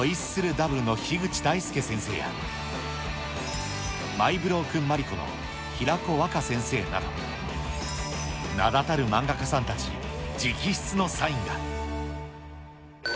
Ｗの樋口大輔先生や、マイ・ブロークン・マリコの平庫ワカ先生など、名だたる漫画家さんたち直筆のサインが。